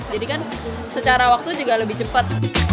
jadi kan secara waktu juga lebih cepet